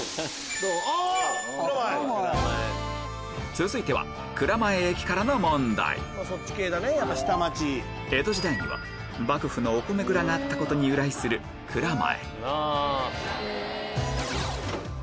続いては蔵前駅からの問題幕府のお米蔵があったことに由来する蔵前